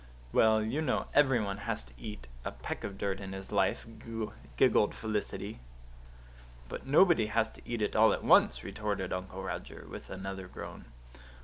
"Well, you know every one has to eat a peck of dirt in his life," giggled Felicity. "But nobody has to eat it all at once," retorted Uncle Roger, with another groan.